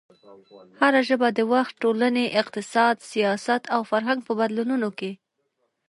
هره ژبه د وخت، ټولنې، اقتصاد، سیاست او فرهنګ په بدلونونو کې